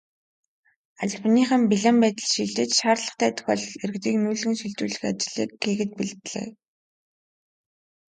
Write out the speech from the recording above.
Албаныхан бэлэн байдалд шилжиж, шаардлагатай тохиолдолд иргэдийг нүүлгэн шилжүүлэх ажлыг хийхэд бэлдлээ.